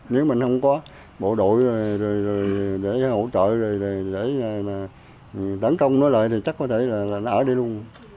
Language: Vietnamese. nếu mình không có bộ đội để hỗ trợ để đánh công nó lại thì chắc có thể là nó ở đây luôn